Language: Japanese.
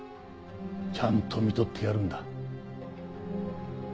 ちゃんとみとってやるんだ。